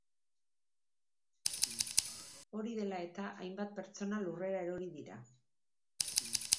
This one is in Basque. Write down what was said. Hori dela eta, hainbat pertsona lurrera erori dira.